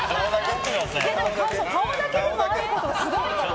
顔だけでもあることはすごいから。